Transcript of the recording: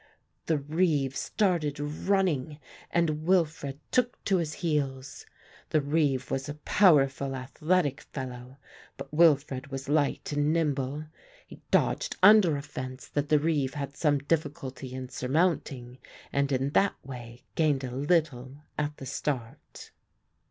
The reeve started running and Wilfred took to his heels. The reeve was a powerful athletic fellow, but Wilfred was light and nimble. He dodged under a fence that the reeve had some difficulty in surmounting, and in that way gained a little at the start.